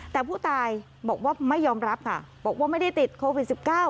แต่ผู้ตายบอกว่าไม่ยอมรับค่ะบอกว่าไม่ได้ติดโควิด๑๙